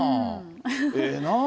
ええなあ。